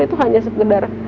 itu hanya sekedar